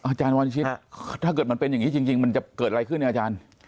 อาจารย์วันชิตถ้าเกิดมันเป็นอย่างนี้จริงมันจะเกิดอะไรขึ้นอาจารย์